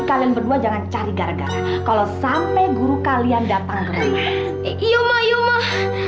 kalian berdua jangan cari gara gara kalau sampai guru kalian datang ke rumah iya mah iya mah